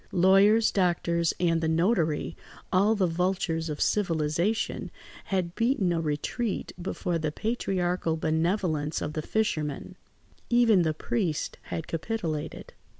Lawyers, doctors, and the notary, all the vultures of civilisation, had beaten a retreat before the patriarchal benevolence of the fisherman. Even the priest had capitulated.